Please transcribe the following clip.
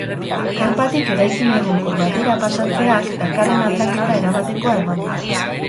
Karpatik eraikin egonkor batera pasatzeak dakarren aldaketa erabatekoa eman da.